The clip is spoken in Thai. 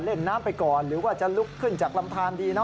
เล่นน้ำไปก่อนหรือว่าจะลุกขึ้นจากลำทานดีนะ